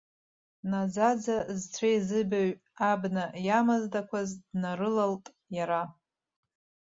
Наӡаӡа зцәеи-зыбаҩи абна иамаздақәаз днарылалт иара.